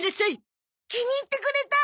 気に入ってくれた？